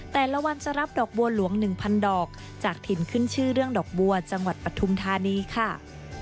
แต่ละวันจะรับดอกบัวหลวง๑๐๐ดอกจากถิ่นขึ้นชื่อเรื่องดอกบัวจังหวัดปฐุมธานีค่ะ